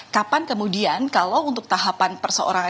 kapan kemudian kalau untuk tahapan perseorangan